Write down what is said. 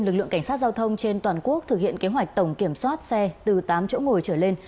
lực lượng cảnh sát giao thông trên toàn quốc thực hiện kế hoạch tổng kiểm soát xe từ tám chỗ ngồi trở lên